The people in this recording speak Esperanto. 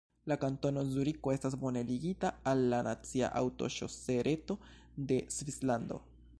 La Kantono Zuriko estas bone ligita al la nacia aŭtoŝose-reto de Svislando.